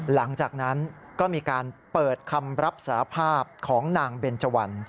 หลังจากนั้นก็มีการเปิดคำรับสารภาพของนางเบนเจวัน